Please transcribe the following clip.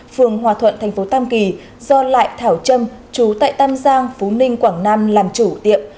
phường hòa thuận thành phố tam kỳ do lại thảo trâm chú tại tam giang phú ninh quảng nam làm chủ tiệm